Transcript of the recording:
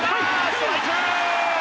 ストライク！